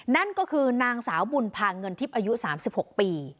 นั่นก็คือนางสาวบุญพาเงินทิพย์อายุ๓๖ปี